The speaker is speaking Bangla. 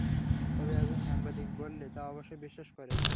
তবে একজন সাংবাদিক বললে তা অবশ্যই বিশ্বাস করে।